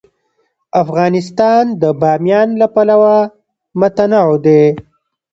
افغانستان د بامیان له پلوه متنوع دی.